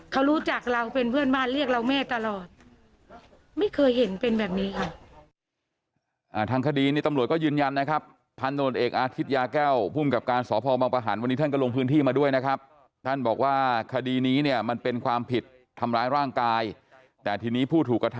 เขารู้จักเราเป็นเพื่อนบ้านเรียกเราแม่ตลอด